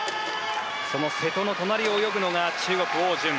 その瀬戸の隣を泳ぐのが中国、オウ・ジュン。